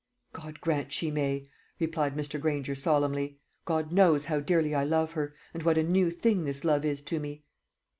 "God grant she may!" replied Mr. Granger solemnly; "God knows how dearly I love her, and what a new thing this love is to me!"